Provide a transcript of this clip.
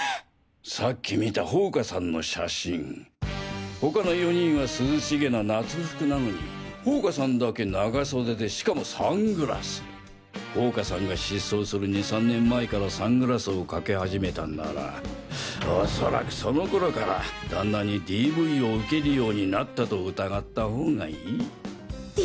さっき見た宝華さんの写真他の４人は涼しげな夏服なのに宝華さんだけ長袖でしかもサングラス宝華さんが失踪する２３年前からサングラスをかけ始めたんならおそらくその頃から旦那にＤＶを受けるようになったと疑ったほうがいい。